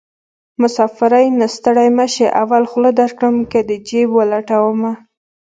مسافرۍ نه ستړی مشې اول خوله درکړم که دې جېب ولټومه